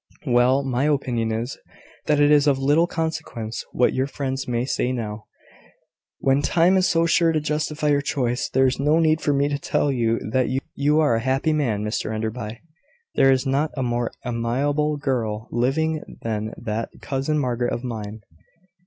"Well, my opinion is, that it is of little consequence what your friends may say now, when time is so sure to justify your choice. There is no need for me to tell you that you are a happy man, Mr Enderby. There is not a more amiable girl living than that cousin Margaret of mine.